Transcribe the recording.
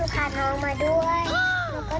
เมยาอาการร้อนมากเลยนะคะแม้ไม่เชื่อ